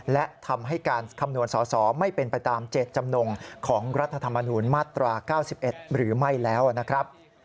และทำให้การคำนวณสอสอไม่เป็นไปตามเจตจำนงของรัฐธรรมนูญมาตรา๙๑หรือไม่แล้วนะครับ